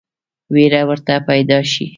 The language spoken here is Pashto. وېره ورته پیدا شي.